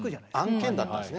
案件だったんです。